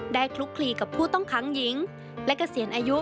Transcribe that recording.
คลุกคลีกับผู้ต้องขังหญิงและเกษียณอายุ